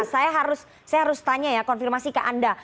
saya harus tanya ya konfirmasi ke anda